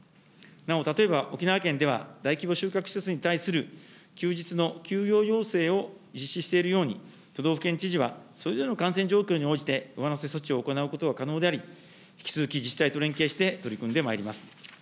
なお例えば、沖縄県では大規模集客施設に対する休日の休業要請を実施しているように、都道府県知事は、それぞれの感染状況に応じて、上乗せ措置を行うことは可能であり、引き続き自治体と連携して取り組んでまいります。